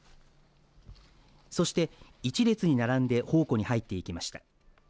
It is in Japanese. そして１列に並んで宝庫に入って行きました。